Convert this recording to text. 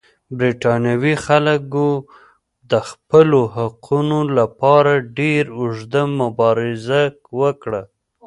برېټانوي خلکو د خپلو حقونو لپاره ډېره اوږده مبارزه وکړه.